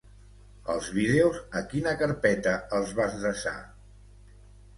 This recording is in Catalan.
Els vídeos a quina carpeta els vas desar?